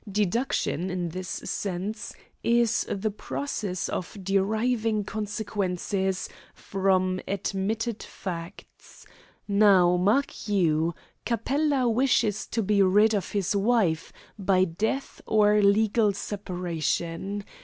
Deduction, in this sense, is the process of deriving consequences from admitted facts. Now, mark you. Capella wishes to be rid of his wife, by death or legal separation.